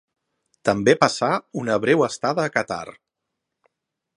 També passà una breu estada a Qatar.